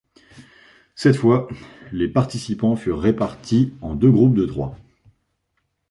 Cette fois, les participants furent répartis en deux groupes de trois.